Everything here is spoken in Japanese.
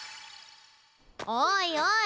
おいおい！